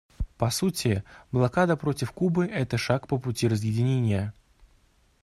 По сути, блокада против Кубы — это шаг по пути разъединения.